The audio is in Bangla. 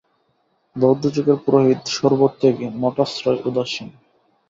বৌদ্ধযুগের পুরোহিত সর্বত্যাগী, মঠাশ্রয়, উদাসীন।